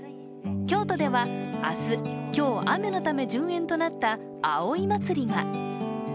京都では明日、今日、雨のため順延となった葵祭が。